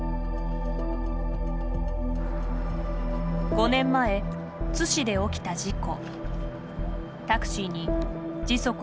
５年前津市で起きた事故。